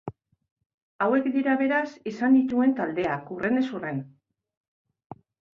Hauek dira beraz izan dituen taldeak hurrenez hurren.